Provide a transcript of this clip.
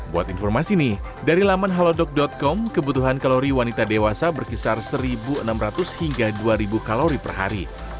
buat informasi nih dari laman halodoc com kebutuhan kalori wanita dewasa berkisar satu enam ratus hingga dua ribu kalori per hari